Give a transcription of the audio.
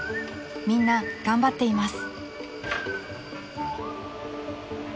みんな頑張っています］